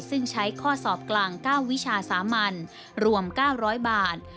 ซึ่งใช้ข้อสอบกลาง๙วิชาสามัญรวม๙๐๐บาท